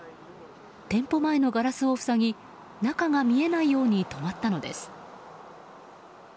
店舗前のガラスを塞ぎ中が見えないように止まったのです。